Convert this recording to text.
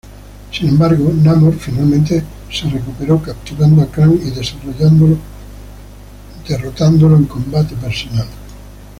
Sin embargo, Namor finalmente se recuperó, capturando a Krang y derrotándolo en combate personal.